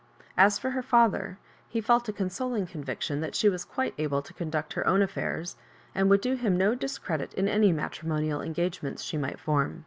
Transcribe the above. As for her father, he felt a consoling conviction that she was quite able to conduct her own affairs, and would do him no discredit in any matrimonial engagements she might form.